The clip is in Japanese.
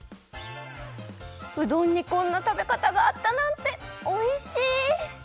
うどんにこんなたべかたがあったなんておいしい！